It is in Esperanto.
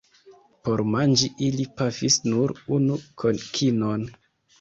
Por manĝi ili pafis nur unu kokinon.